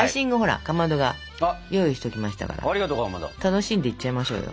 楽しんでいっちゃいましょうよ。